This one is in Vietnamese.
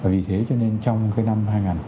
vì thế cho nên trong cái năm hai nghìn hai mươi